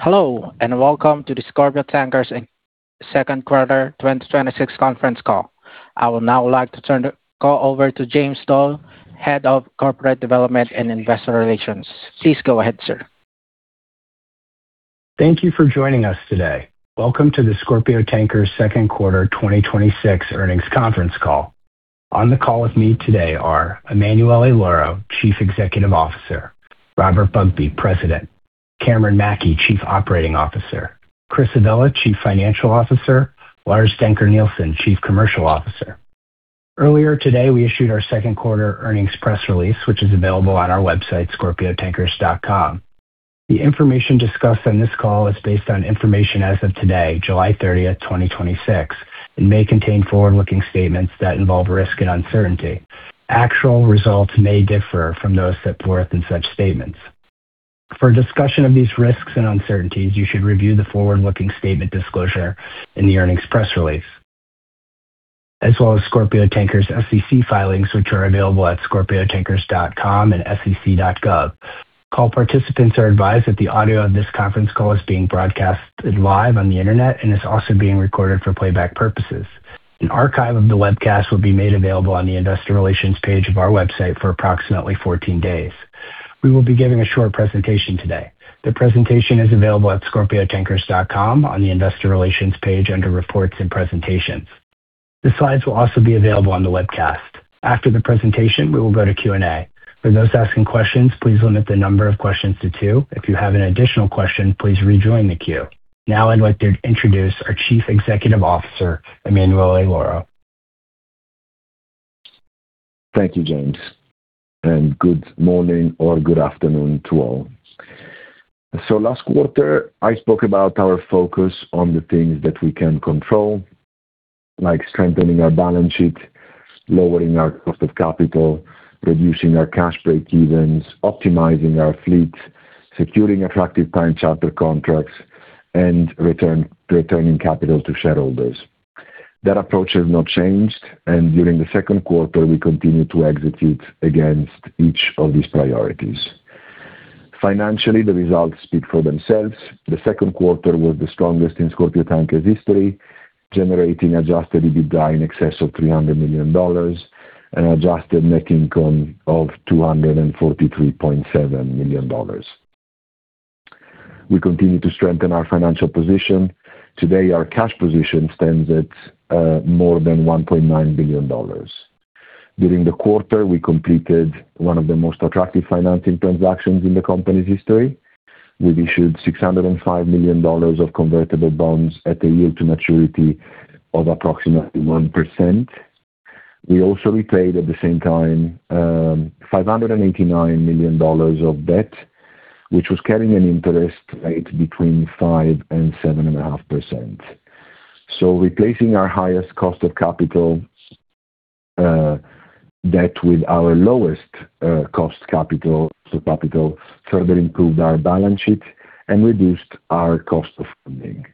Hello, welcome to the Scorpio Tankers second quarter 2026 conference call. I would now like to turn the call over to James Doyle, Head of Corporate Development and Investor Relations. Please go ahead, sir. Thank you for joining us today. Welcome to the Scorpio Tankers second quarter 2026 earnings conference call. On the call with me today are Emanuele Lauro, Chief Executive Officer. Robert Bugbee, President. Cameron Mackey, Chief Operating Officer. Chris Avella, Chief Financial Officer. Lars Dencker Nielsen, Chief Commercial Officer. Earlier today, we issued our second quarter earnings press release, which is available on our website, scorpiotankers.com. The information discussed on this call is based on information as of today, July 30th, 2026, may contain forward-looking statements that involve risk and uncertainty. Actual results may differ from those set forth in such statements. For a discussion of these risks and uncertainties, you should review the forward-looking statement disclosure in the earnings press release, as well as Scorpio Tankers' SEC filings, which are available at scorpiotankers.com and sec.gov. Call participants are advised that the audio of this conference call is being broadcast live on the internet is also being recorded for playback purposes. An archive of the webcast will be made available on the investor relations page of our website for approximately 14 days. We will be giving a short presentation today. The presentation is available at scorpiotankers.com on the investor relations page under reports and presentations. The slides will also be available on the webcast. After the presentation, we will go to Q&A. For those asking questions, please limit the number of questions to two. If you have an additional question, please rejoin the queue. I'd like to introduce our Chief Executive Officer, Emanuele Lauro. Thank you, James, good morning or good afternoon to all. Last quarter, I spoke about our focus on the things that we can control, like strengthening our balance sheet, lowering our cost of capital, reducing our cash break evens, optimizing our fleet, securing attractive time charter contracts, returning capital to shareholders. That approach has not changed, during the second quarter, we continued to execute against each of these priorities. Financially, the results speak for themselves. The second quarter was the strongest in Scorpio Tankers history, generating adjusted EBITDA in excess of $300 million and adjusted net income of $243.7 million. We continue to strengthen our financial position. Today, our cash position stands at more than $1.9 billion. During the quarter, we completed one of the most attractive financing transactions in the company's history. We've issued $605 million of convertible bonds at a yield to maturity of approximately 1%. We also repaid, at the same time, $589 million of debt, which was carrying an interest rate between 5%-7.5%. Replacing our highest cost of capital debt with our lowest cost capital further improved our balance sheet and reduced our cost of funding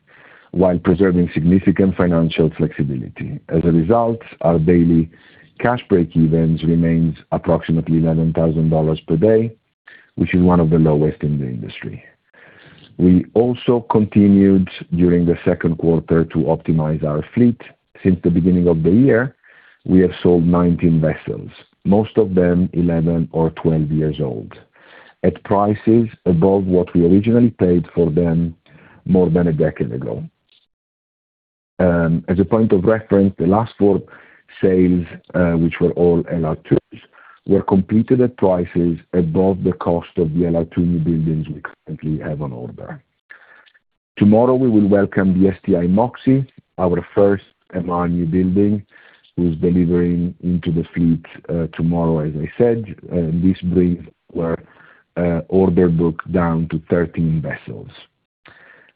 while preserving significant financial flexibility. As a result, our daily cash break-evens remains approximately $11,000 per day, which is one of the lowest in the industry. We also continued during the second quarter to optimize our fleet. Since the beginning of the year, we have sold 19 vessels, most of them 11 or 12 years old, at prices above what we originally paid for them more than a decade ago. As a point of reference, the last four sales, which were all LR2s, were completed at prices above the cost of the LR2 newbuildings we currently have on order. Tomorrow, we will welcome the STI Moxie, our first MR newbuilding, who's delivering into the fleet tomorrow, as I said. This brings our order book down to 13 vessels.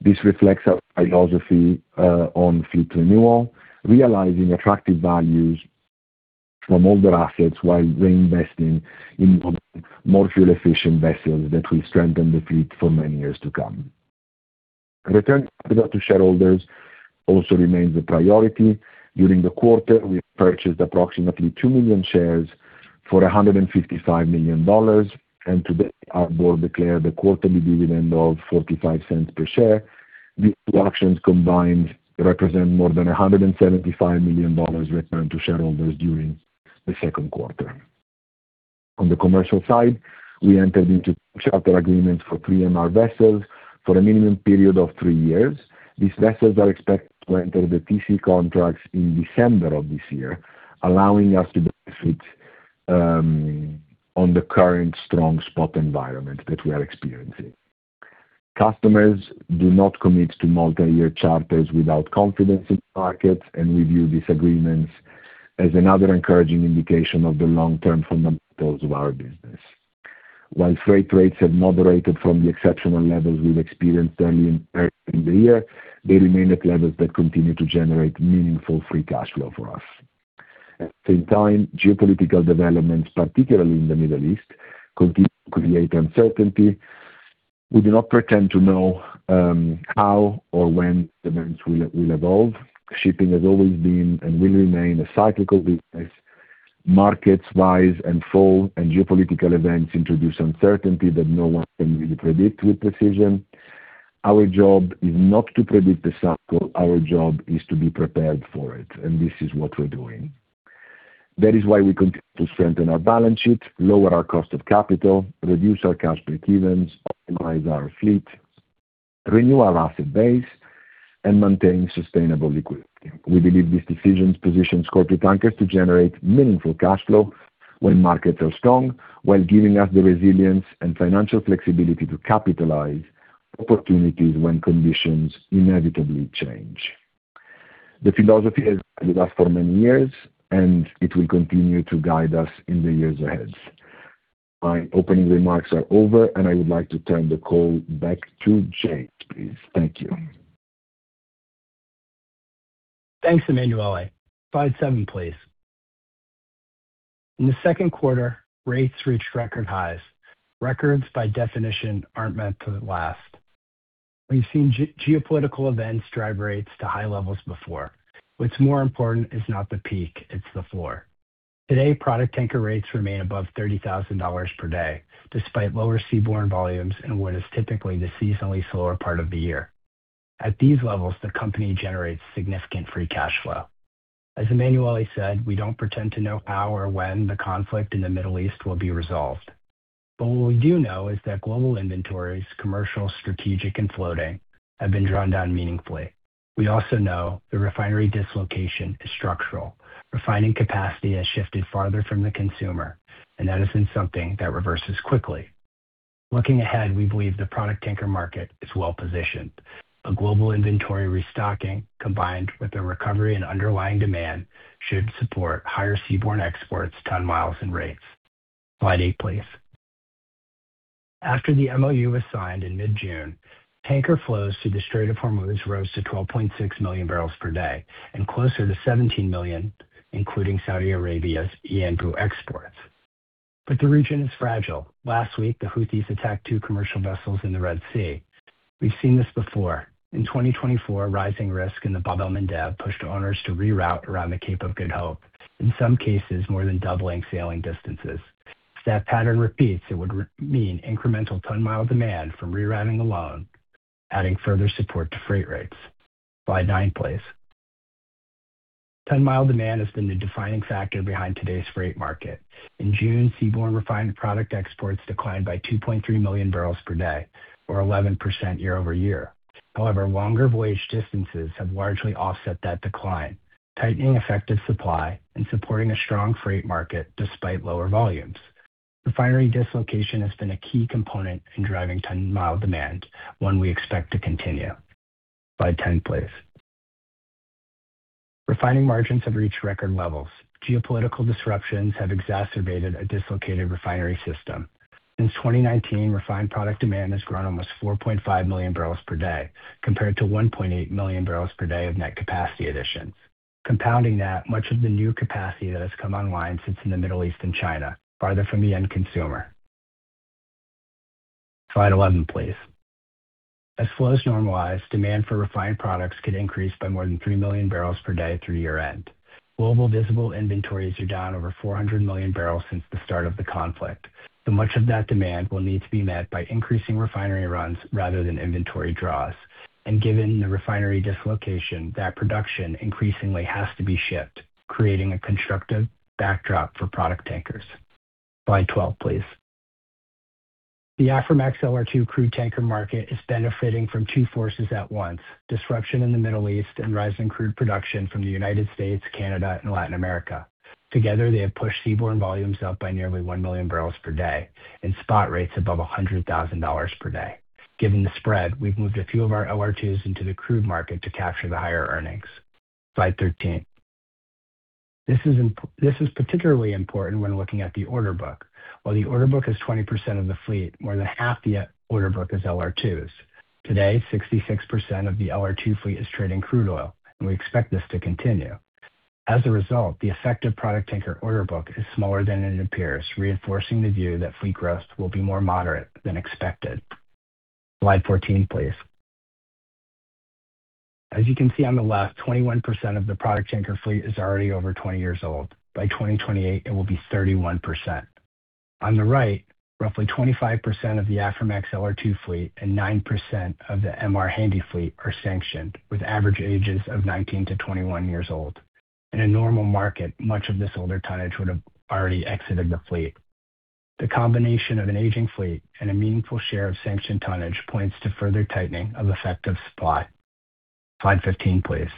This reflects our philosophy on fleet renewal, realizing attractive values from older assets while reinvesting in more fuel-efficient vessels that will strengthen the fleet for many years to come. Returning capital to shareholders also remains a priority. During the quarter, we purchased approximately 2 million shares for $155 million, and today our board declared a quarterly dividend of $0.45 per share. These two actions combined represent more than $175 million returned to shareholders during the second quarter. On the commercial side, we entered into shelter agreements for three MR vessels for a minimum period of three years. These vessels are expected to enter the TC contracts in December of this year, allowing us to benefit on the current strong spot environment that we are experiencing. Customers do not commit to multi-year charters without confidence in the market, and we view these agreements as another encouraging indication of the long-term fundamentals of our business. While freight rates have moderated from the exceptional levels we've experienced early in the year, they remain at levels that continue to generate meaningful free cash flow for us. At the same time, geopolitical developments, particularly in the Middle East, continue to create uncertainty. We do not pretend to know how or when events will evolve. Shipping has always been and will remain a cyclical business. Markets rise and fall, geopolitical events introduce uncertainty that no one can really predict with precision. Our job is not to predict the cycle. Our job is to be prepared for it, and this is what we're doing. That is why we continue to strengthen our balance sheet, lower our cost of capital, reduce our cash break-evens, optimize our fleet, renew our asset base, and maintain sustainable liquidity. We believe these decisions positions Scorpio Tankers to generate meaningful cash flow when markets are strong, while giving us the resilience and financial flexibility to capitalize opportunities when conditions inevitably change. The philosophy has guided us for many years, it will continue to guide us in the years ahead. My opening remarks are over, I would like to turn the call back to James, please. Thank you. Thanks, Emanuele. Slide seven, please. In the second quarter, rates reached record highs. Records, by definition, aren't meant to last. We've seen geopolitical events drive rates to high levels before. What's more important is not the peak, it's the floor. Today, product tanker rates remain above $30,000 per day, despite lower seaborne volumes in what is typically the seasonally slower part of the year. At these levels, the company generates significant free cash flow. As Emanuele said, we don't pretend to know how or when the conflict in the Middle East will be resolved. What we do know is that global inventories, commercial, strategic, and floating, have been drawn down meaningfully. We also know the refinery dislocation is structural. Refining capacity has shifted farther from the consumer, and that isn't something that reverses quickly. Looking ahead, we believe the product tanker market is well-positioned. A global inventory restocking, combined with a recovery in underlying demand, should support higher seaborne exports, ton miles, and rates. Slide eight, please. After the MoU was signed in mid-June, tanker flows through the Strait of Hormuz rose to 12.6 million barrels per day, and closer to 17 million, including Saudi Arabia's Yanbu exports. The region is fragile. Last week, the Houthis attacked two commercial vessels in the Red Sea. We've seen this before. In 2024, rising risk in the Bab el-Mandeb pushed owners to reroute around the Cape of Good Hope, in some cases, more than doubling sailing distances. If that pattern repeats, it would mean incremental ton mile demand from rerouting alone, adding further support to freight rates. Slide nine, please. Ton mile demand has been the defining factor behind today's freight market. In June, seaborne refined product exports declined by 2.3 million barrels per day or 11% year-over-year. However, longer voyage distances have largely offset that decline, tightening effective supply and supporting a strong freight market despite lower volumes. Refinery dislocation has been a key component in driving ton mile demand, one we expect to continue. Slide 10, please. Refining margins have reached record levels. Geopolitical disruptions have exacerbated a dislocated refinery system. Since 2019, refined product demand has grown almost 4.5 million barrels per day, compared to 1.8 million barrels per day of net capacity additions. Compounding that, much of the new capacity that has come online sits in the Middle East and China, farther from the end consumer. Slide 11, please. As flows normalize, demand for refined products could increase by more than three million barrels per day through year-end. Global visible inventories are down over 400 million barrels since the start of the conflict, much of that demand will need to be met by increasing refinery runs rather than inventory draws. Given the refinery dislocation, that production increasingly has to be shipped, creating a constructive backdrop for product tankers. Slide 12, please. The Aframax LR2 crude tanker market is benefiting from two forces at once, disruption in the Middle East and rising crude production from the United States, Canada, and Latin America. Together, they have pushed seaborne volumes up by nearly one million barrels per day and spot rates above $100,000 per day. Given the spread, we've moved a few of our LR2s into the crude market to capture the higher earnings. Slide 13. This is particularly important when looking at the order book. While the order book is 20% of the fleet, more than half the order book is LR2s. Today, 66% of the LR2 fleet is trading crude oil, and we expect this to continue. As a result, the effective product tanker order book is smaller than it appears, reinforcing the view that fleet growth will be more moderate than expected. Slide 14, please. As you can see on the left, 21% of the product tanker fleet is already over 20 years old. By 2028, it will be 31%. On the right, roughly 25% of the Aframax LR2 fleet and 9% of the MR Handy fleet are sanctioned with average ages of 19-21 years old. In a normal market, much of this older tonnage would have already exited the fleet. The combination of an aging fleet and a meaningful share of sanctioned tonnage points to further tightening of effective supply. Slide 15, please.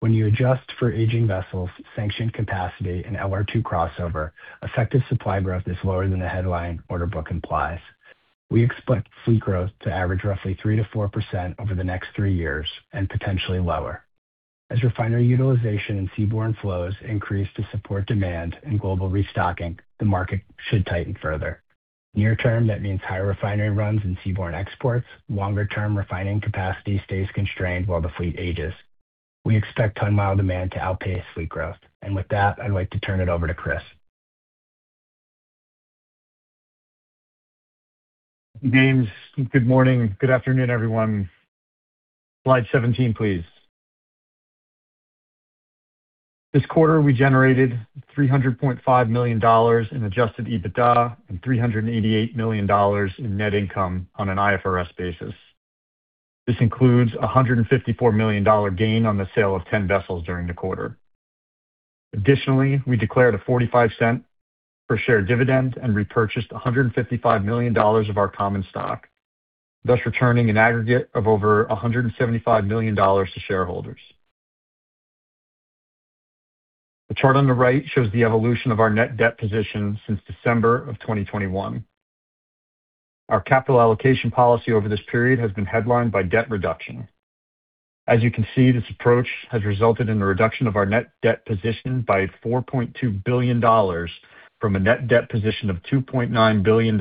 When you adjust for aging vessels, sanctioned capacity, and LR2 crossover, effective supply growth is lower than the headline order book implies. We expect fleet growth to average roughly 3%-4% over the next three years and potentially lower. As refinery utilization and seaborne flows increase to support demand and global restocking, the market should tighten further. Near term, that means higher refinery runs and seaborne exports. Longer-term refining capacity stays constrained while the fleet ages. We expect ton-mile demand to outpace fleet growth. With that, I'd like to turn it over to Chris. James. Good morning. Good afternoon, everyone. Slide 17, please. This quarter, we generated $300.5 million in adjusted EBITDA and $388 million in net income on an IFRS basis. This includes a $154 million gain on the sale of 10 vessels during the quarter. Additionally, we declared a $0.45 per share dividend and repurchased $155 million of our common stock, thus returning an aggregate of over $175 million to shareholders. The chart on the right shows the evolution of our net debt position since December of 2021. Our capital allocation policy over this period has been headlined by debt reduction. As you can see, this approach has resulted in a reduction of our net debt position by $4.2 billion from a net debt position of $2.9 billion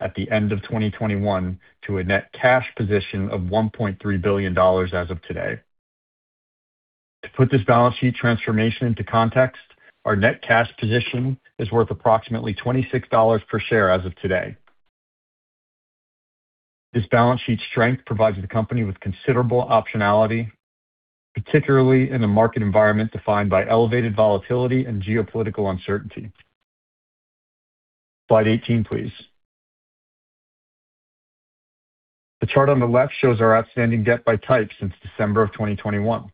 at the end of 2021 to a net cash position of $1.3 billion as of today. To put this balance sheet transformation into context, our net cash position is worth approximately $26 per share as of today. This balance sheet strength provides the company with considerable optionality, particularly in a market environment defined by elevated volatility and geopolitical uncertainty. Slide 18, please. The chart on the left shows our outstanding debt by type since December of 2021.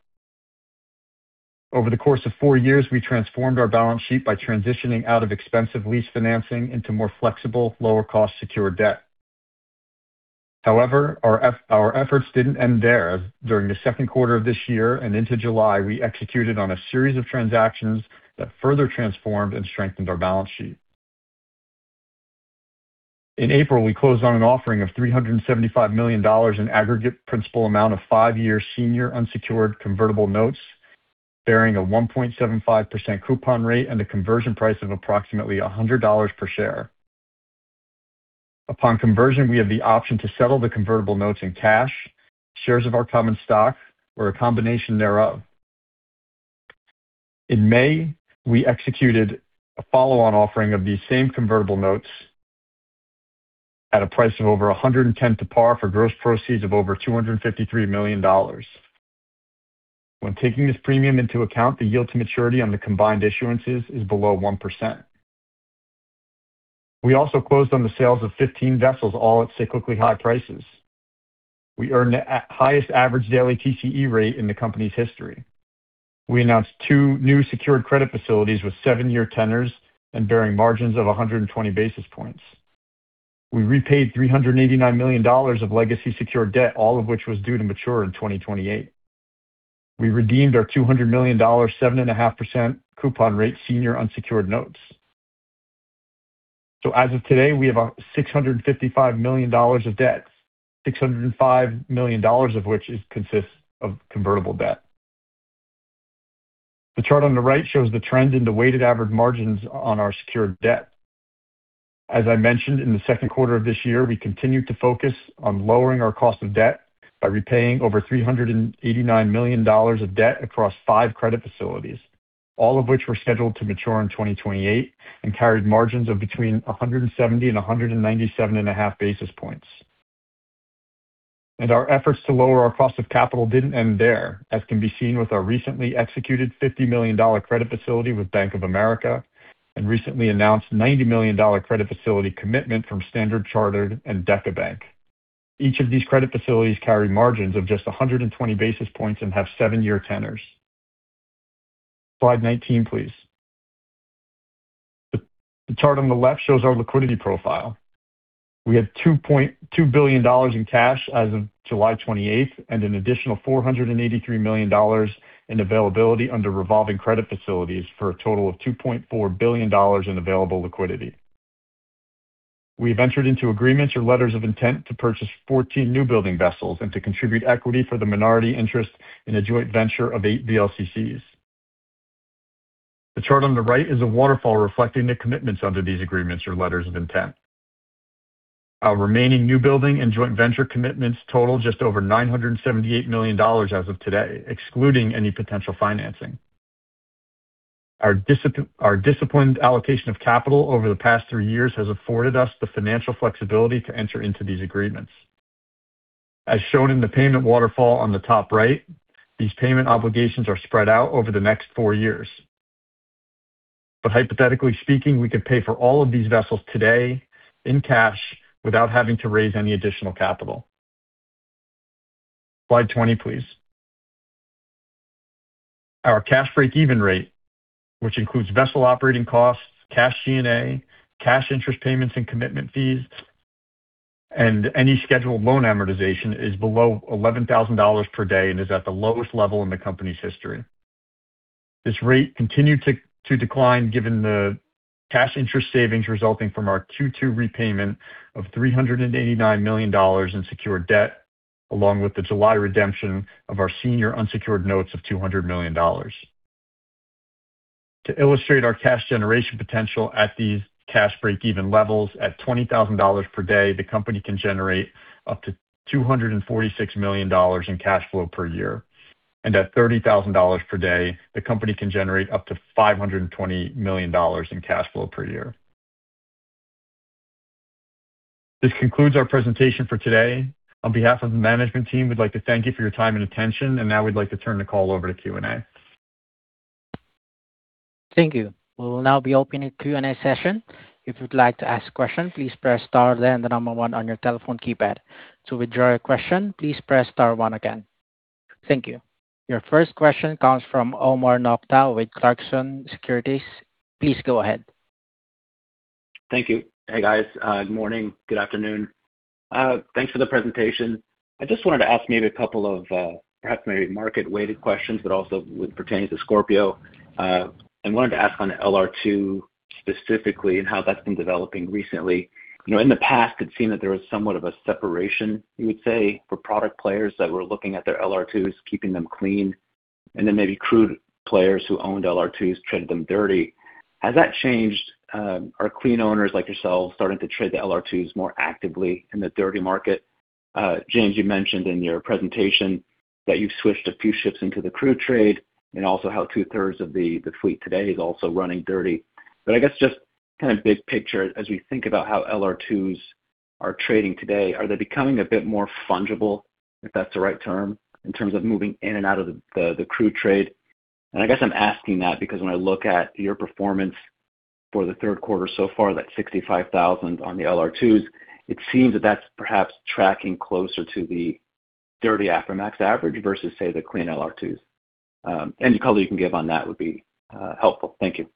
Over the course of four years, we transformed our balance sheet by transitioning out of expensive lease financing into more flexible, lower-cost secured debt. Our efforts didn't end there, as during the second quarter of this year and into July, we executed on a series of transactions that further transformed and strengthened our balance sheet. In April, we closed on an offering of $375 million in aggregate principal amount of five-year senior unsecured convertible notes bearing a 1.75% coupon rate and a conversion price of approximately $100 per share. Upon conversion, we have the option to settle the convertible notes in cash, shares of our common stock, or a combination thereof. In May, we executed a follow-on offering of these same convertible notes at a price of over 110 to par for gross proceeds of over $253 million. When taking this premium into account, the yield to maturity on the combined issuances is below 1%. We also closed on the sales of 15 vessels, all at cyclically high prices. We earned the highest average daily TCE rate in the company's history. We announced two new secured credit facilities with seven-year tenors and bearing margins of 120 basis points. We repaid $389 million of legacy secured debt, all of which was due to mature in 2028. We redeemed our $200 million, 7.5% coupon rate senior unsecured notes. As of today, we have $655 million of debt, $605 million of which consists of convertible debt. The chart on the right shows the trend in the weighted average margins on our secured debt. As I mentioned, in the second quarter of this year, we continued to focus on lowering our cost of debt by repaying over $389 million of debt across five credit facilities, all of which were scheduled to mature in 2028 and carried margins of between 170 and 197.5 basis points. Our efforts to lower our cost of capital didn't end there, as can be seen with our recently executed $50 million credit facility with Bank of America and recently announced $90 million credit facility commitment from Standard Chartered and DekaBank. Each of these credit facilities carry margins of just 120 basis points and have seven-year tenors. Slide 19, please. The chart on the left shows our liquidity profile. We had $2.2 billion in cash as of July 28th and an additional $483 million in availability under revolving credit facilities for a total of $2.4 billion in available liquidity. We've entered into agreements or letters of intent to purchase 14 new building vessels and to contribute equity for the minority interest in a joint venture of eight VLCCs. The chart on the right is a waterfall reflecting the commitments under these agreements or letters of intent. Our remaining new building and joint venture commitments total just over $978 million as of today, excluding any potential financing. Our disciplined allocation of capital over the past three years has afforded us the financial flexibility to enter into these agreements. As shown in the payment waterfall on the top right, these payment obligations are spread out over the next four years. Hypothetically speaking, we could pay for all of these vessels today in cash without having to raise any additional capital. Slide 20, please. Our cash breakeven rate, which includes vessel operating costs, cash G&A, cash interest payments and commitment fees, and any scheduled loan amortization, is below $11,000 per day and is at the lowest level in the company's history. This rate continued to decline given the cash interest savings resulting from our Q2 repayment of $389 million in secured debt, along with the July redemption of our senior unsecured notes of $200 million. To illustrate our cash generation potential at these cash breakeven levels, at $20,000 per day, the company can generate up to $246 million in cash flow per year. At $30,000 per day, the company can generate up to $520 million in cash flow per year. This concludes our presentation for today. On behalf of the management team, we'd like to thank you for your time and attention, and now we'd like to turn the call over to Q&A. Thank you. We will now be opening the Q&A session. If you'd like to ask a question, please press star, then the number one on your telephone keypad. To withdraw your question, please press star one again. Thank you. Your first question comes from Omar Nokta with Clarksons Securities. Please go ahead. Thank you. Hey, guys. Good morning. Good afternoon. Thanks for the presentation. I just wanted to ask maybe a couple of perhaps maybe market-weighted questions, but also pertaining to Scorpio. I wanted to ask on LR2 specifically and how that's been developing recently. In the past, it seemed that there was somewhat of a separation, you would say, for product players that were looking at their LR2s, keeping them clean, and then maybe crude players who owned LR2s traded them dirty. Has that changed? Are clean owners like yourselves starting to trade the LR2s more actively in the dirty market? James, you mentioned in your presentation that you've switched a few ships into the crude trade and also how two-thirds of the fleet today is also running dirty. I guess just kind of big picture as we think about how LR2s are trading today, are they becoming a bit more fungible, if that's the right term, in terms of moving in and out of the crude trade? I guess I'm asking that because when I look at your performance for the third quarter so far, that $65,000 on the LR2s, it seems that that's perhaps tracking closer to the dirty Aframax average versus, say, the clean LR2s. Any color you can give on that would be helpful. Thank you.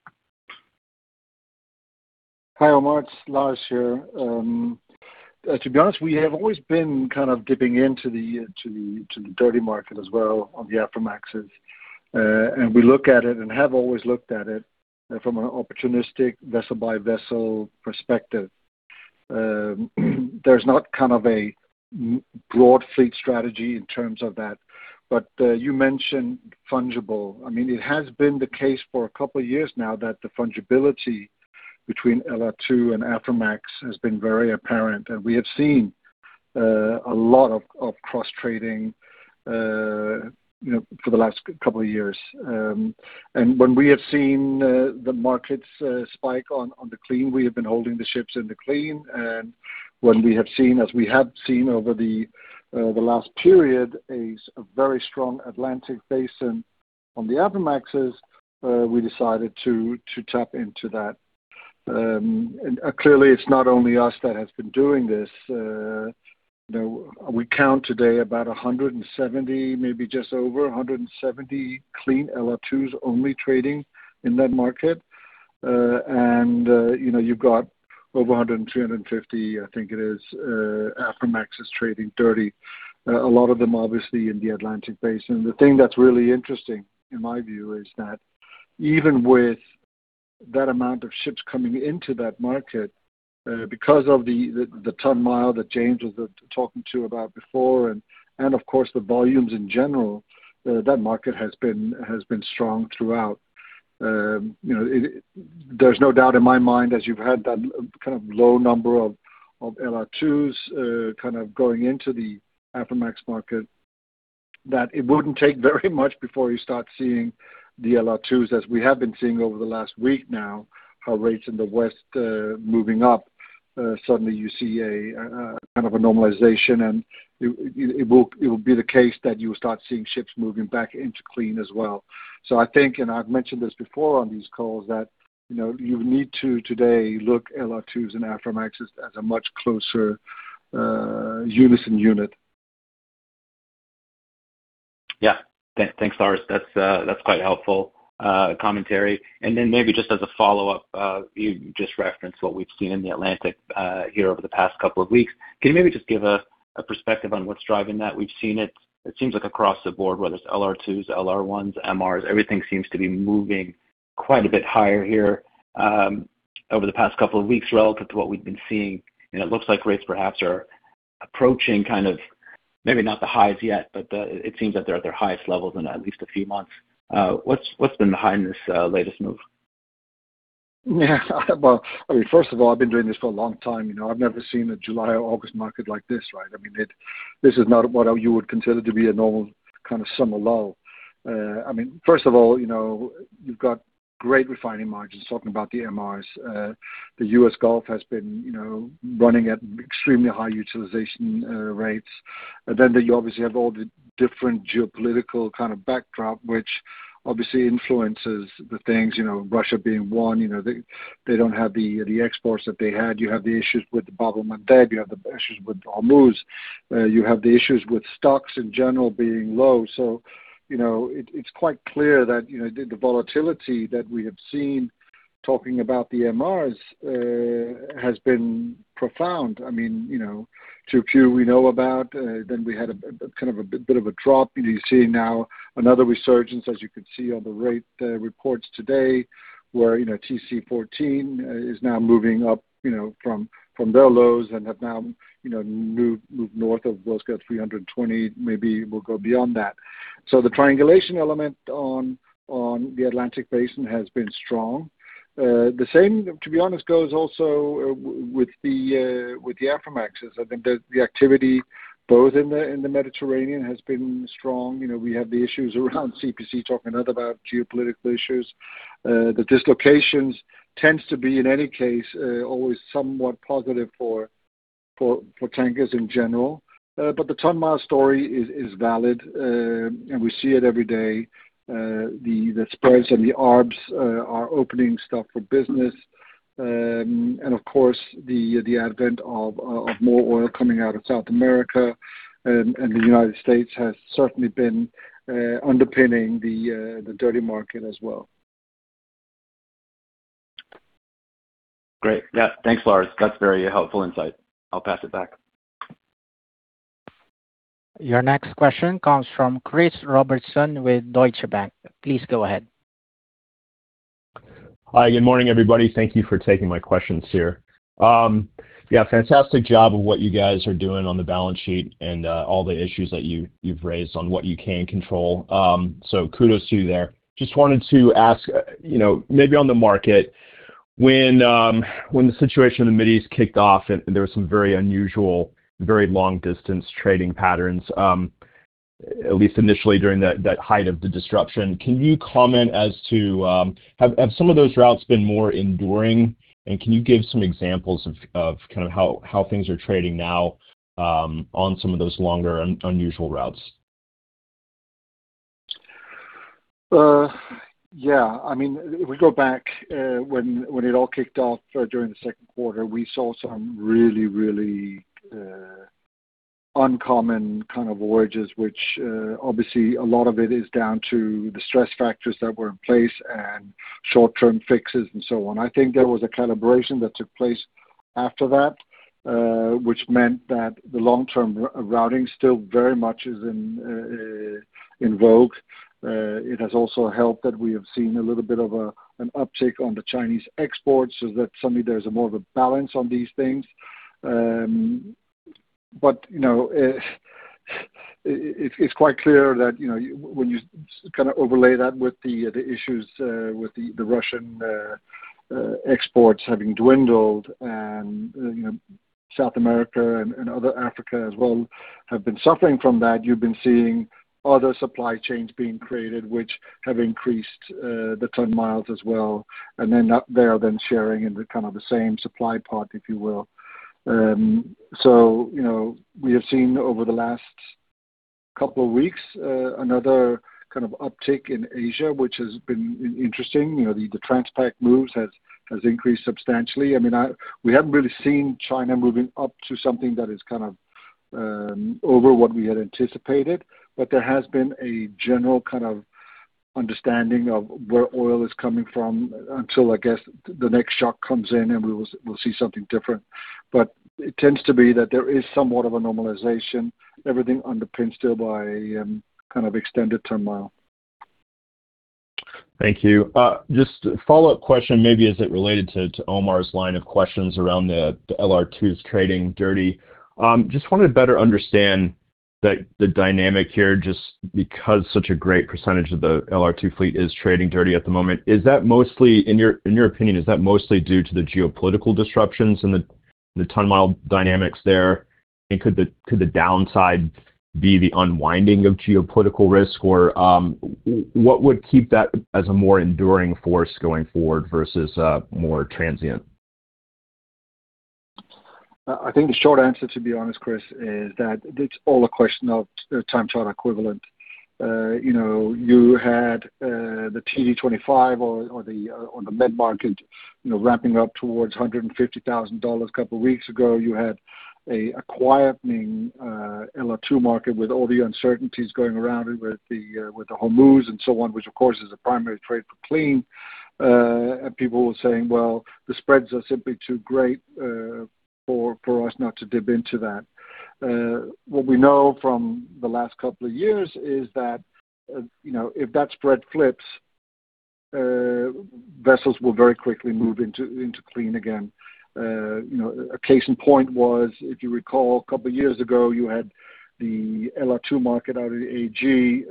Hi, Omar. It's Lars here. To be honest, we have always been kind of dipping into the dirty market as well on the Aframaxes. We look at it and have always looked at it from an opportunistic vessel-by-vessel perspective. There's not kind of a broad fleet strategy in terms of that. You mentioned fungible. It has been the case for a couple of years now that the fungibility between LR2 and Aframax has been very apparent, and we have seen a lot of cross-trading for the last couple of years. When we have seen the markets spike on the clean, we have been holding the ships in the clean. When we have seen, as we have seen over the last period, a very strong Atlantic basin on the Aframaxes, we decided to tap into that. Clearly, it's not only us that has been doing this. We count today about 170, maybe just over 170 clean LR2s only trading in that market. You've got over 100 and 350, I think it is, Aframaxes trading dirty. A lot of them, obviously, in the Atlantic basin. The thing that's really interesting, in my view, is that even with that amount of ships coming into that market, because of the ton-mile that James was talking to about before and of course, the volumes in general, that market has been strong throughout. There's no doubt in my mind, as you've had that kind of low number of LR2s kind of going into the Aframax market, that it wouldn't take very much before you start seeing the LR2s as we have been seeing over the last week now, our rates in the West moving up. Suddenly you see a kind of a normalization, and it will be the case that you start seeing ships moving back into clean as well. I think, and I've mentioned this before on these calls, that you need to today look LR2s and Aframaxes as a much closer unison unit. Yeah. Thanks, Lars. That's quite helpful commentary. Then maybe just as a follow-up, you just referenced what we've seen in the Atlantic here over the past couple of weeks. Can you maybe just give a perspective on what's driving that? We've seen it seems like across the board, whether it's LR2s, LR1s, MRs, everything seems to be moving quite a bit higher here over the past couple of weeks relative to what we've been seeing. It looks like rates perhaps are approaching kind of maybe not the highs yet, but it seems that they're at their highest levels in at least a few months. What's been behind this latest move? First of all, I've been doing this for a long time. I've never seen a July or August market like this, right? This is not what you would consider to be a normal kind of summer lull. First of all, you've got great refining margins, talking about the MRs. The U.S. Gulf has been running at extremely high utilization rates. You obviously have all the different geopolitical kind of backdrop, which obviously influences the things, Russia being one. They don't have the exports that they had. You have the issues with the Bab el-Mandeb, you have the issues with Hormuz, you have the issues with stocks in general being low. It's quite clear that the volatility that we have seen talking about the MRs has been profound. TC we know about, we had kind of a bit of a drop. You see now another resurgence, as you could see on the rate reports today, where TC 14 is now moving up from their lows and have now moved north of Worldscale 320, maybe will go beyond that. The triangulation element on the Atlantic Basin has been strong. The same, to be honest, goes also with the Aframaxes. I think the activity both in the Mediterranean has been strong. We have the issues around CPC, talking about geopolitical issues. The dislocations tends to be, in any case, always somewhat positive for tankers in general. The ton-mile story is valid, and we see it every day. The spreads and the arbs are opening stuff for business. Of course, the advent of more oil coming out of South America and the U.S. has certainly been underpinning the dirty market as well. Great. Yeah, thanks, Lars. That's a very helpful insight. I'll pass it back. Your next question comes from Chris Robertson with Deutsche Bank. Please go ahead. Hi. Good morning, everybody. Thank you for taking my questions here. Fantastic job of what you guys are doing on the balance sheet and all the issues that you've raised on what you can control. Kudos to you there. Just wanted to ask, maybe on the market, when the situation in the Mideast kicked off and there were some very unusual, very long-distance trading patterns, at least initially during that height of the disruption, can you comment as to, have some of those routes been more enduring, and can you give some examples of how things are trading now on some of those longer and unusual routes? If we go back, when it all kicked off during the second quarter, we saw some really uncommon kind of voyages, which obviously a lot of it is down to the stress factors that were in place and short-term fixes and so on. I think there was a calibration that took place after that, which meant that the long-term routing still very much is in vogue. It has also helped that we have seen a little bit of an uptick on the Chinese exports, that suddenly there's more of a balance on these things. It's quite clear that when you kind of overlay that with the issues with the Russian exports having dwindled and South America and other Africa as well have been suffering from that, you've been seeing other supply chains being created which have increased the ton miles as well, then they are then sharing in the kind of the same supply pot, if you will. We have seen over the last couple of weeks, another kind of uptick in Asia, which has been interesting. The transpacific moves has increased substantially. We haven't really seen China moving up to something that is kind of over what we had anticipated, there has been a general kind of understanding of where oil is coming from until, I guess, the next shock comes in and we'll see something different. It tends to be that there is somewhat of a normalization. Everything underpinned still by kind of extended ton mile. Thank you. Just a follow-up question, maybe as it related to Omar's line of questions around the LR2s trading dirty. Just wanted to better understand the dynamic here, just because such a great percentage of the LR2 fleet is trading dirty at the moment. In your opinion, is that mostly due to the geopolitical disruptions and the ton-mile dynamics there? Could the downside be the unwinding of geopolitical risk? What would keep that as a more enduring force going forward versus more transient? I think the short answer, to be honest, Chris, is that it's all a question of time charter equivalent. You had the TD25 or the med market ramping up towards $150,000 a couple of weeks ago. You had a quietening LR2 market with all the uncertainties going around with the Hormuz and so on, which of course is a primary trade for clean. People were saying, Well, the spreads are simply too great for us not to dip into that. What we know from the last couple of years is that if that spread flips, vessels will very quickly move into clean again. A case in point was, if you recall, a couple of years ago, you had the LR2 market out of the AG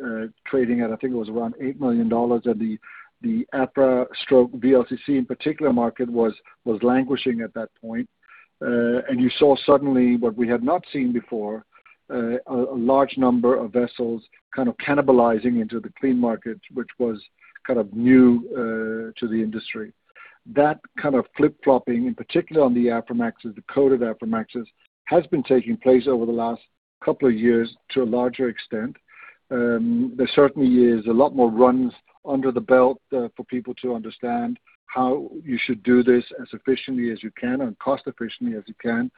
trading at, I think it was around $8 million, and the Aframax/VLCC in particular market was languishing at that point. You saw suddenly what we had not seen before, a large number of vessels kind of cannibalizing into the clean markets, which was kind of new to the industry. That kind of flip-flopping, in particular on the Aframaxes, the coded Aframaxes, has been taking place over the last couple of years to a larger extent. There certainly is a lot more runs under the belt for people to understand how you should do this as efficiently as you can and cost efficiently as you can.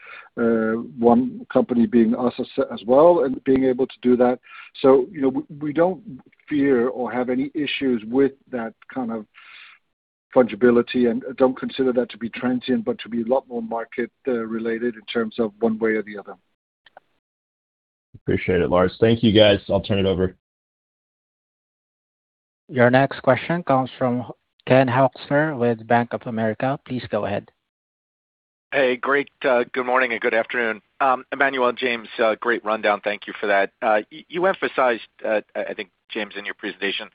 One company being us as well and being able to do that. We don't fear or have any issues with that kind of fungibility and don't consider that to be transient, but to be a lot more market-related in terms of one way or the other. Appreciate it, Lars. Thank you, guys. I'll turn it over. Your next question comes from Ken Hoexter with Bank of America. Please go ahead. Hey, great. Good morning and good afternoon. Emanuele, James, great rundown. Thank you for that. You emphasized, I think, James, in your presentation,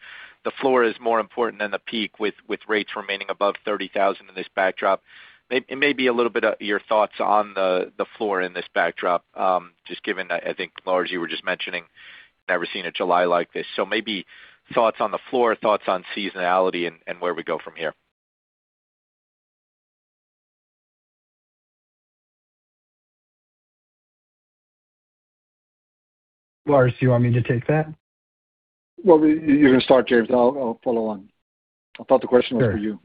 the floor is more important than the peak with rates remaining above 30,000 in this backdrop. Maybe a little bit of your thoughts on the floor in this backdrop, just given, I think, Lars, you were just mentioning never seen a July like this. Maybe thoughts on the floor, thoughts on seasonality and where we go from here. Lars, do you want me to take that? You can start, James. I’ll follow on. I thought the question was for you.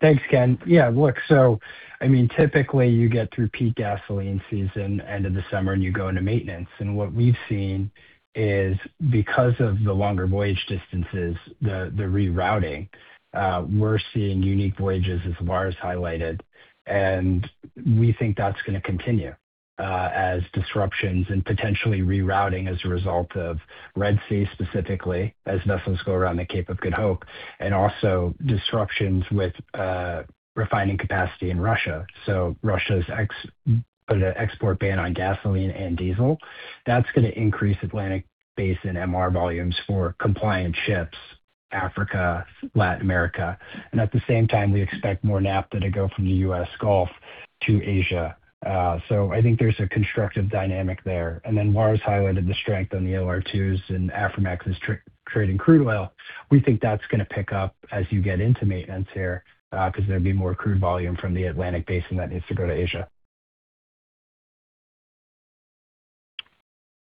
Thanks, Ken. Look, typically you get through peak gasoline season, end of the summer, and you go into maintenance. What we've seen is because of the longer voyage distances, the rerouting, we're seeing unique voyages as Lars highlighted, and we think that's going to continue as disruptions and potentially rerouting as a result of Red Sea specifically, as vessels go around the Cape of Good Hope, and also disruptions with refining capacity in Russia. Russia's export ban on gasoline and diesel, that's going to increase Atlantic Basin MR volumes for compliant ships, Africa, Latin America. At the same time, we expect more naphtha to go from the U.S. Gulf to Asia. I think there's a constructive dynamic there. Lars highlighted the strength on the LR2s and Aframax is trading crude oil. We think that's going to pick up as you get into maintenance here, because there'll be more crude volume from the Atlantic Basin that needs to go to Asia.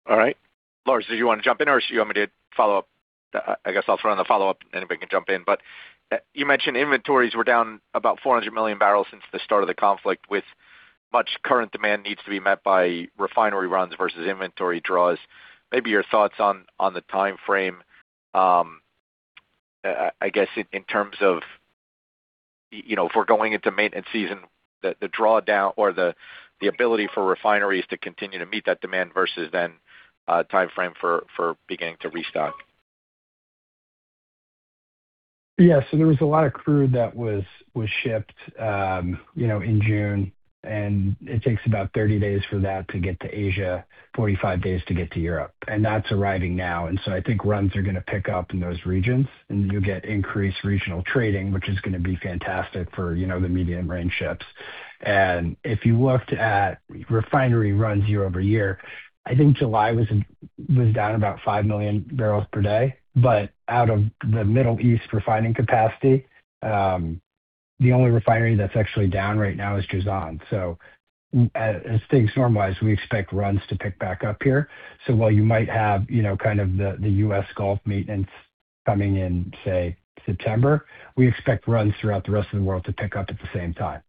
All right. Lars, did you want to jump in or do you want me to follow up? I guess I'll throw in the follow-up, anybody can jump in. You mentioned inventories were down about 400 million barrels since the start of the conflict with much current demand needs to be met by refinery runs versus inventory draws. Maybe your thoughts on the time frame, I guess, in terms of if we're going into maintenance season, the drawdown or the ability for refineries to continue to meet that demand versus then timeframe for beginning to restock. There was a lot of crude that was shipped in June, and it takes about 30 days for that to get to Asia, 45 days to get to Europe. That's arriving now. I think runs are going to pick up in those regions, and you'll get increased regional trading, which is going to be fantastic for the medium-range ships. If you looked at refinery runs year-over-year, I think July was down about 5 million barrels per day. Out of the Middle East refining capacity, the only refinery that's actually down right now is Jazan. As things normalize, we expect runs to pick back up here. While you might have the U.S. Gulf maintenance coming in, say, September, we expect runs throughout the rest of the world to pick up at the same time.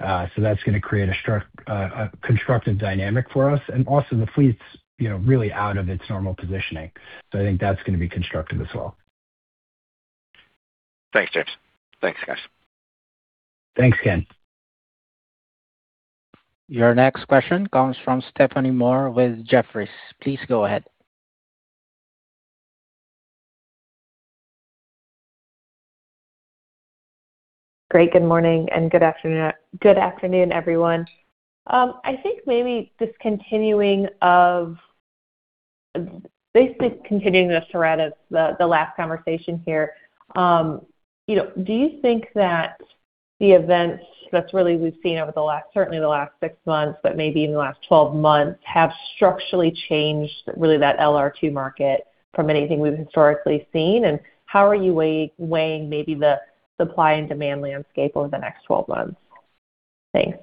That's going to create a constructive dynamic for us. Also the fleet's really out of its normal positioning. I think that's going to be constructive as well. Thanks, James. Thanks, guys. Thanks, Ken. Your next question comes from Stephanie Moore with Jefferies. Please go ahead. Great. Good morning and good afternoon, everyone. I think maybe just continuing the thread of the last conversation here. Do you think that the events that really we've seen over certainly the last six months, but maybe even the last 12 months, have structurally changed, really that LR2 market from anything we've historically seen? How are you weighing maybe the supply and demand landscape over the next 12 months? Thanks.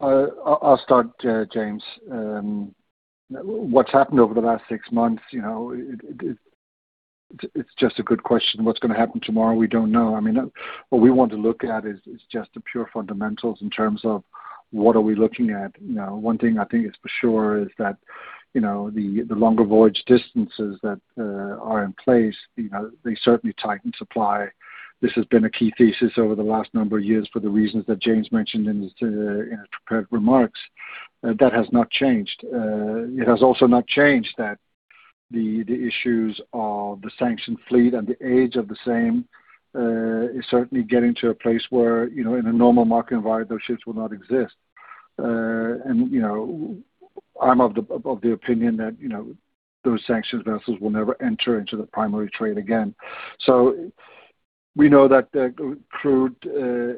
I’ll start, James. What's happened over the last six months, it's just a good question. What's going to happen tomorrow? We don't know. What we want to look at is just the pure fundamentals in terms of what are we looking at. One thing I think is for sure is that, the longer voyage distances that are in place, they certainly tighten supply. This has been a key thesis over the last number of years for the reasons that James mentioned in his prepared remarks. That has not changed. It has also not changed that the issues of the sanctioned fleet and the age of the same is certainly getting to a place where in a normal market environment, those ships will not exist. I'm of the opinion that those sanctions vessels will never enter into the primary trade again. We know that crude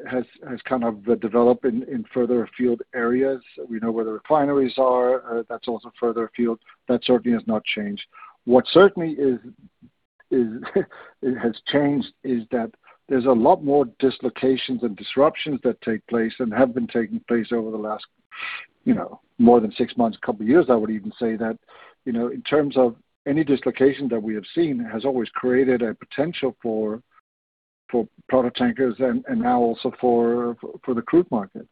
has kind of developed in further field areas. We know where the refineries are. That's also further afield. That certainly has not changed. What certainly has changed is that there's a lot more dislocations and disruptions that take place and have been taking place over the last more than six months, a couple of years, I would even say that. In terms of any dislocation that we have seen has always created a potential for product tankers and now also for the crude market.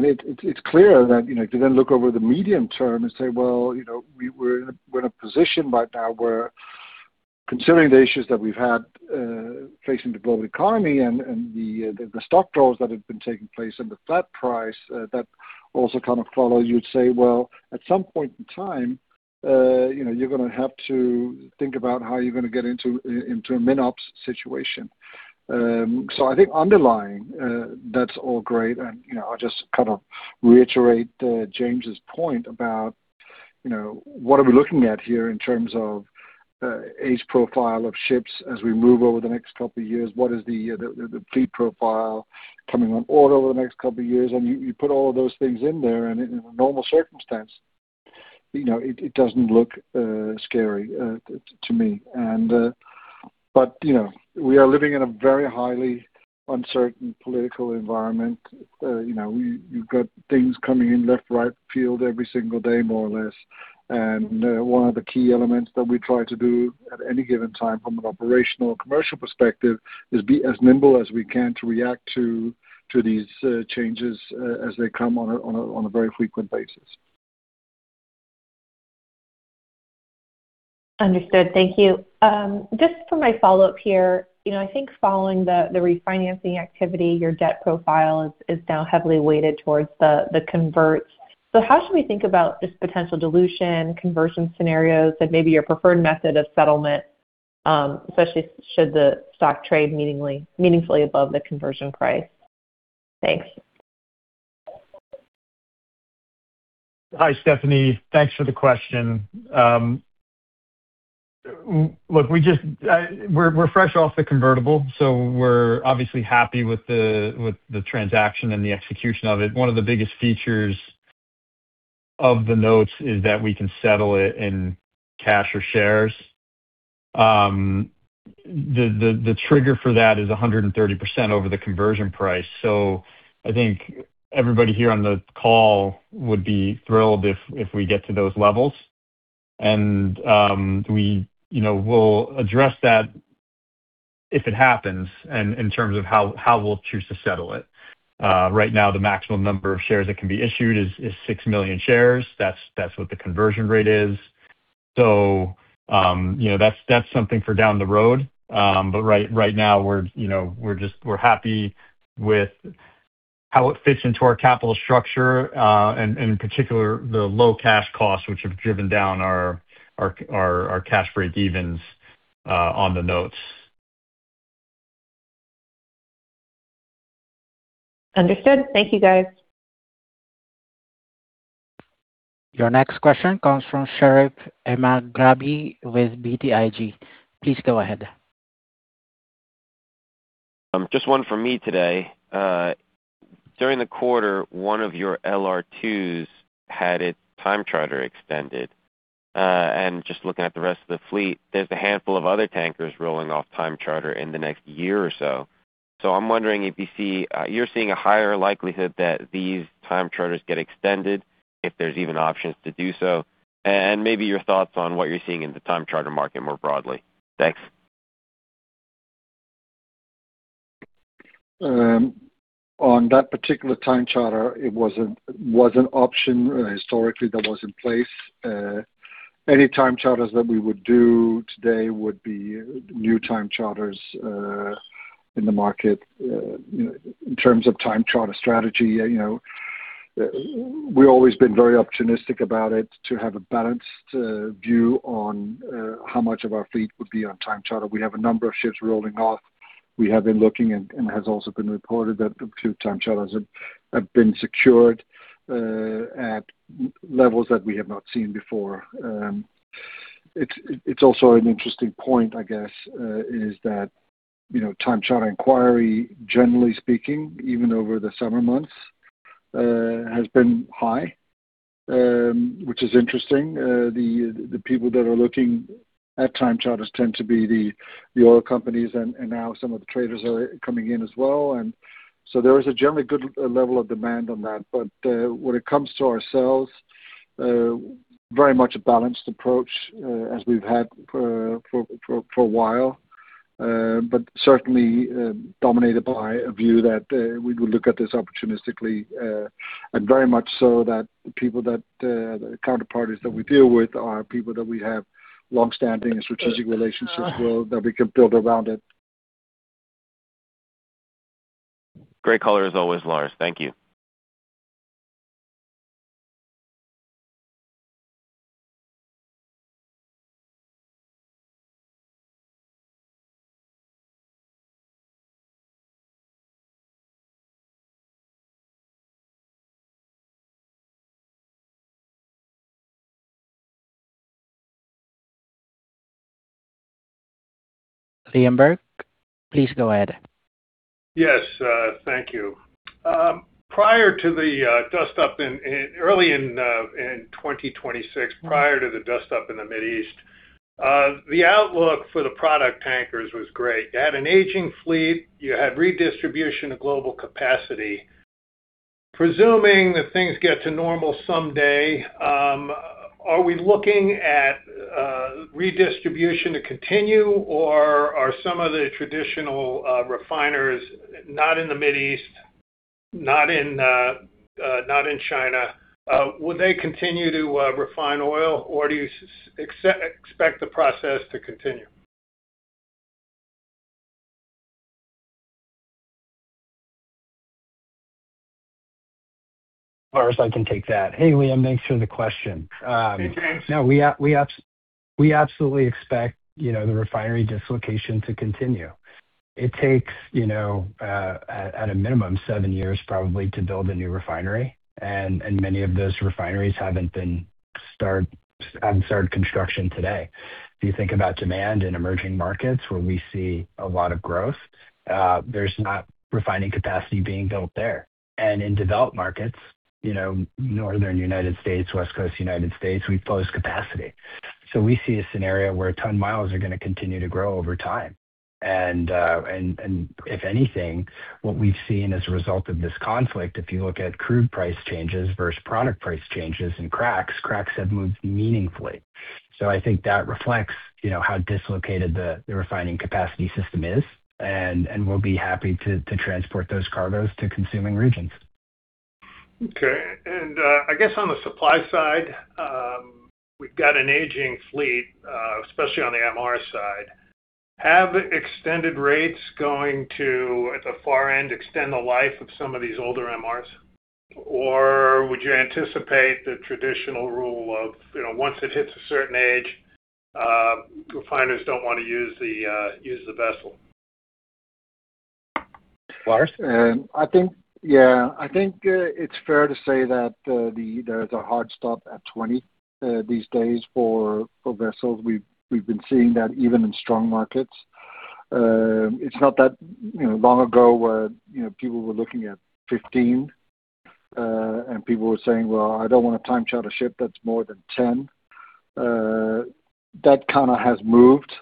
It's clear that if you then look over the medium-term and say, well, we're in a position right now where considering the issues that we've had facing the global economy and the stock draws that have been taking place and the flat price that also kind of follows, you'd say, well, at some point in time, you're going to have to think about how you're going to get into a min ops situation. I think underlying, that's all great, and I'll just kind of reiterate James's point about what are we looking at here in terms of the age profile of ships as we move over the next couple of years, what is the fleet profile coming on board over the next couple of years, and you put all of those things in there and in a normal circumstance, it doesn't look scary to me. We are living in a very highly uncertain political environment. You've got things coming in left, right field every single day, more or less. One of the key elements that we try to do at any given time from an operational commercial perspective is be as nimble as we can to react to these changes as they come on a very frequent basis. Understood. Thank you. Just for my follow-up here. I think following the refinancing activity, your debt profile is now heavily weighted towards the converts. How should we think about this potential dilution, conversion scenarios, and maybe your preferred method of settlement, especially should the stock trade meaningfully above the conversion price? Thanks. Hi, Stephanie. Thanks for the question. Look, we're fresh off the convertible, we're obviously happy with the transaction and the execution of it. One of the biggest features of the notes is that we can settle it in cash or shares. The trigger for that is 130% over the conversion price. I think everybody here on the call would be thrilled if we get to those levels. We'll address that if it happens in terms of how we'll choose to settle it. Right now, the maximum number of shares that can be issued is 6 million shares. That's what the conversion rate is. That's something for down the road. Right now we're happy with how it fits into our capital structure, and in particular, the low cash costs which have driven down our cash breakevens on the notes. Understood. Thank you, guys. Your next question comes from Sherif Elmaghrabi with BTIG. Please go ahead. Just one for me today. During the quarter, one of your LR2s had its time charter extended. Looking at the rest of the fleet, there's a handful of other tankers rolling off time charter in the next year or so. I'm wondering if you're seeing a higher likelihood that these time charters get extended, if there's even options to do so, and maybe your thoughts on what you're seeing in the time charter market more broadly. Thanks. On that particular time charter, it was an option historically that was in place. Any time charters that we would do today would be new time charters in the market. In terms of time charter strategy, we've always been very opportunistic about it to have a balanced view on how much of our fleet would be on time charter. We have a number of ships rolling off. We have been looking, and has also been reported that two time charters have been secured at levels that we have not seen before. It's also an interesting point is that time charter inquiry, generally speaking, even over the summer months, has been high, which is interesting. The people that are looking at time charters tend to be the oil companies, and now some of the traders are coming in as well. There is a generally good level of demand on that. When it comes to ourselves, very much a balanced approach as we've had for a while. Certainly dominated by a view that we would look at this opportunistically, and very much so that the people that, the counterparties that we deal with are people that we have long-standing strategic relationships with that we can build around it. Great call as always, Lars. Thank you. Liam Burke, please go ahead. Yes, thank you. Prior to the dust-up in early in 2026, prior to the dust-up in the Mid East, the outlook for the product tankers was great. You had an aging fleet, you had redistribution of global capacity. Presuming that things get to normal someday, are we looking at redistribution to continue, or are some of the traditional refiners, not in the Mid East, not in China, will they continue to refine oil, or do you expect the process to continue? Lars, I can take that. Hey, Liam. Thanks for the question. Hey, James. No, we absolutely expect the refinery dislocation to continue. It takes at a minimum, seven years probably to build a new refinery, and many of those refineries haven't started construction today. If you think about demand in emerging markets where we see a lot of growth, there's not refining capacity being built there. In developed markets, northern U.S., west coast U.S., we've closed capacity. We see a scenario where ton-miles are going to continue to grow over time. If anything, what we've seen as a result of this conflict, if you look at crude price changes versus product price changes and cracks have moved meaningfully. I think that reflects how dislocated the refining capacity system is, and we'll be happy to transport those cargoes to consuming regions. Okay. I guess on the supply side, we've got an aging fleet, especially on the MR side. Have extended rates going to, at the far end, extend the life of some of these older MRs? Or would you anticipate the traditional rule of, once it hits a certain age, refiners don't want to use the vessel? Lars? Yeah. I think it's fair to say that there's a hard stop at 20 these days for vessels. We've been seeing that even in strong markets. It's not that long ago where people were looking at 15, and people were saying, Well, I don't want to time charter ship that's more than 10. That has moved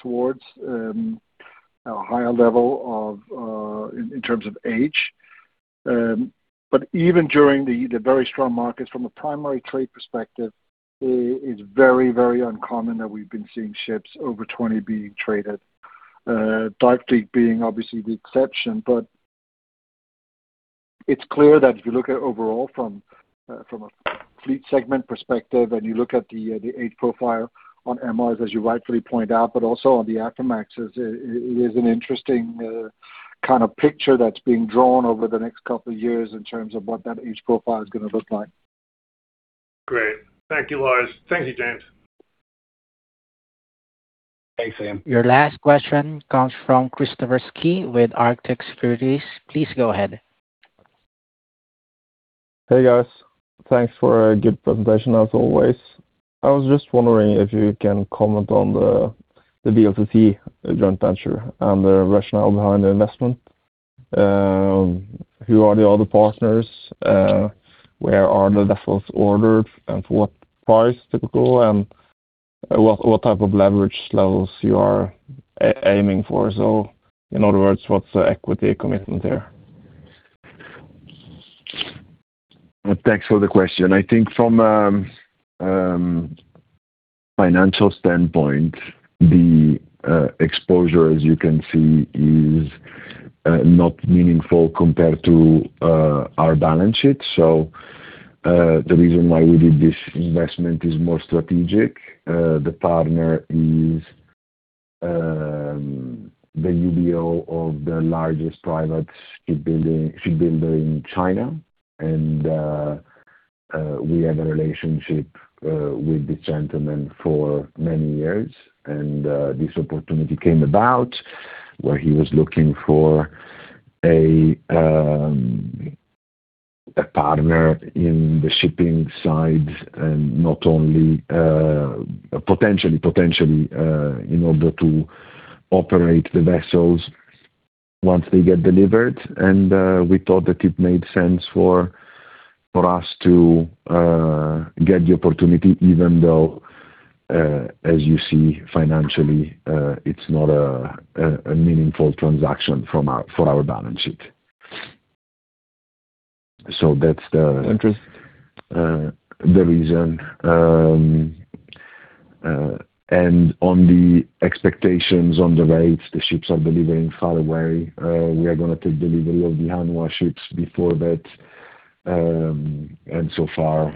towards a higher level in terms of age. Even during the very strong markets from a primary trade perspective, it's very uncommon that we've been seeing ships over 20 being traded. Deep dive being obviously the exception, but it's clear that if you look at overall from a fleet segment perspective, and you look at the age profile on MRs as you rightfully point out, but also on the Aframaxes, it is an interesting kind of picture that's being drawn over the next couple of years in terms of what that age profile is going to look like. Great. Thank you, Lars. Thank you, James. Thanks, Liam. Your last question comes from Kristoffer Skeie with Arctic Securities. Please go ahead. Hey, guys. Thanks for a good presentation as always. I was just wondering if you can comment on the VLCC joint venture and the rationale behind the investment. Who are the other partners? Where are the vessels ordered, and for what price typical, and what type of leverage levels you are aiming for? In other words, what's the equity commitment there? Thanks for the question. I think from financial standpoint, the exposure, as you can see, is not meaningful compared to our balance sheet. The reason why we did this investment is more strategic. The partner is the UBO of the largest private shipbuilder in China, and we have a relationship with this gentleman for many years. This opportunity came about where he was looking for a partner in the shipping side, and not only potentially in order to operate the vessels once they get delivered. We thought that it made sense for us to get the opportunity, even though as you see financially, it's not a meaningful transaction for our balance sheet. That's the reason. On the expectations on the rates the ships are delivering far away, we are going to take delivery of the Hanwha ships before that. So far,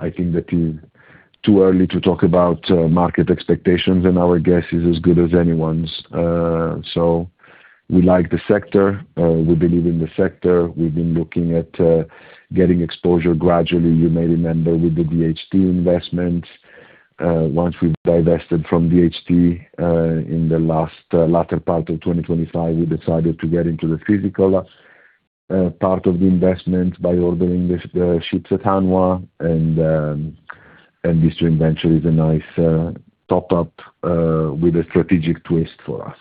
I think that it's too early to talk about market expectations, and our guess is as good as anyone's. We like the sector. We believe in the sector. We've been looking at getting exposure gradually, you may remember with the DHT investment. Once we divested from DHT in the latter part of 2025, we decided to get into the physical part of the investment by ordering the ships at Hanwha, and this joint venture is a nice top up with a strategic twist for us.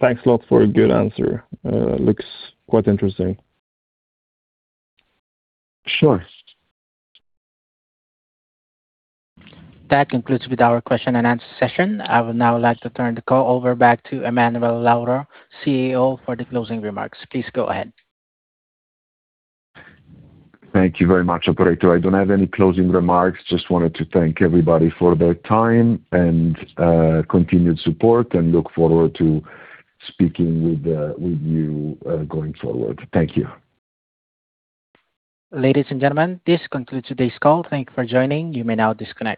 Thanks a lot for a good answer. Looks quite interesting. Sure. That concludes with our question-and-answer session. I would now like to turn the call over back to Emanuele Lauro, CEO, for the closing remarks. Please go ahead. Thank you very much, operator. I don't have any closing remarks. Just wanted to thank everybody for their time and continued support, and look forward to speaking with you going forward. Thank you. Ladies and gentlemen, this concludes today's call. Thank you for joining. You may now disconnect.